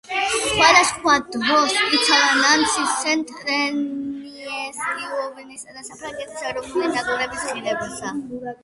სხვადასხვა დროს იცავდა „ნანსის“, „სენტ-ეტიენის“, „იუვენტუსისა“ და საფრანგეთის ეროვნული ნაკრების ღირსებას.